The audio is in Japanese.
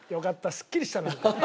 すっきりしたなんか。